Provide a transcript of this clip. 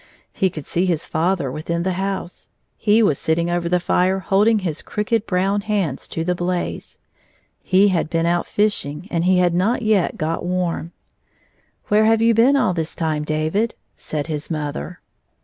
He could see his father within the house. He was sitting over the fire, holding his crooked brown hands to the blaze. He had been out fishing and he had not yet got warm. " Where have you been all this time, David ?" said his mother.